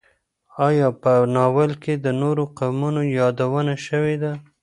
ایا په ناول کې د نورو قومونو یادونه شوې ده؟